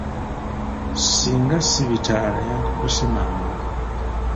Singa si bitaala yandituuse mangu.